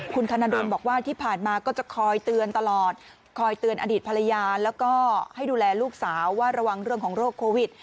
คุณธนดลบอกว่าที่ผ่านมาก็จะคอยเตือนตลอดคอยเตือนอดีตภรรยาแล้วก็ให้ดูแลลูกสาวว่าระวังเรื่องของโรคโควิด